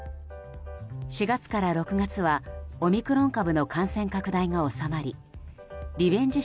４月から６月はオミクロン株の感染拡大が収まりリベンジ